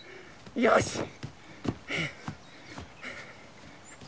よし！